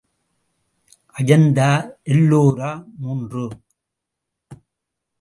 அஜந்தா எல்லோரா மூன்று.